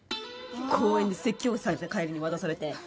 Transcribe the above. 公園で説教された帰りに渡されて。